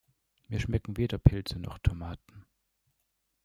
Mir schmecken weder Pilze noch Tomaten.